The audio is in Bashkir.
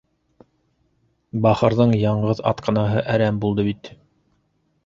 — Бахырҙың яңғыҙ атҡынаһы әрәм булды бит.